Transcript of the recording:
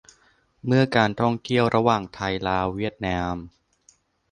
เมื่อการท่องเที่ยวระหว่าง ไทยลาวเวียดนาม